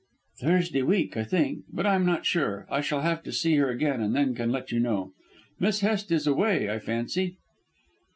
"Thursday week, I think. But I am not sure. I shall have to see her again and then can let you know. Miss Hest is away, I fancy."